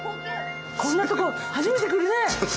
こんなとこ初めて来るね。